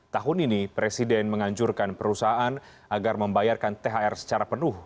tahun ini presiden menganjurkan perusahaan agar membayarkan thr secara penuh